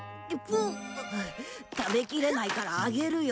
食べきれないからあげるよ。